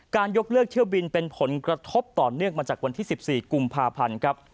ยกเลิกเที่ยวบินเป็นผลกระทบต่อเนื่องมาจากวันที่๑๔กุมภาพันธ์ครับ